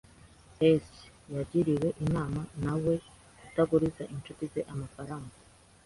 [S] Yagiriwe inama na we kutaguriza inshuti ze amafaranga.